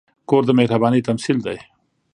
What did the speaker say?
کور د مهربانۍ تمثیل دی.